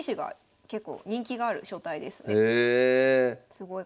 すごい。